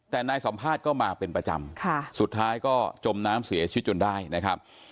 แต่นายสัมภาษณ์ก็มาเป็นประจำสุดท้ายก็จมน้ำเสียชีวิตจนได้นะครับ